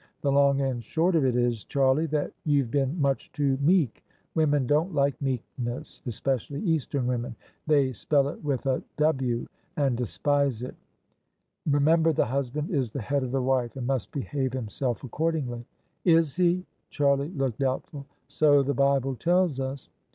The long and short of It IS, Charlie, that you've been much too meek: women don't like meekness— especially Eastern women: they spell it with a ' w ' and despise it. Remember the husband is the head of the wife, and must behave himself accordingly." " Is he? " Charlie looked doubtful, ." So the Bible tells us."